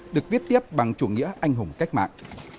được viết tiếp bằng chủ nghĩa anh hùng cách mạng